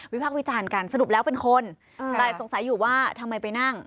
พักวิจารณ์กันสรุปแล้วเป็นคนแต่สงสัยอยู่ว่าทำไมไปนั่ง